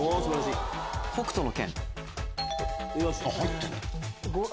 『北斗の拳』。